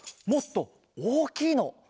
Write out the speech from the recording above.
もっとおおきいの。